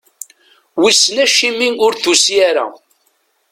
Wissen acimi ur d-tusi ara?